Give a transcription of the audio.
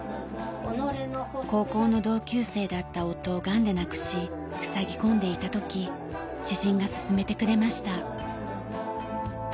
高校の同級生だった夫をがんで亡くしふさぎ込んでいた時知人が勧めてくれました。